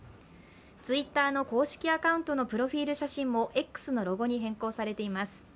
Ｔｗｉｔｔｅｒの公式アカウントのプロフィール写真もＸのロゴに変更されています。